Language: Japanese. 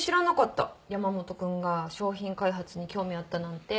山本君が商品開発に興味あったなんて。